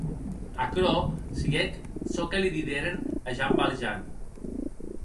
Aquerò siguec çò que li dideren a Jean Valjean.